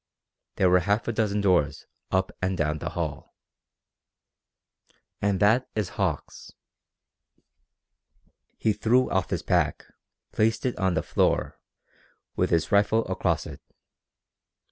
There were half a dozen doors up and down the hall. "And that is Hauck's." He threw off his pack, placed it on the floor, with his rifle across it.